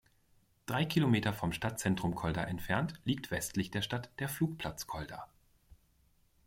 Drei Kilometer vom Stadtzentrum Kolda entfernt liegt westlich der Stadt der Flugplatz Kolda.